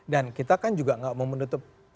dan kita kan juga gak mau menutup